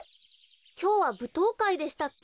きょうはぶとうかいでしたっけ？